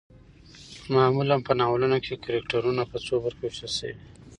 معمولا په ناولونو کې کرکترنه په څو برخو باندې ويشل شوي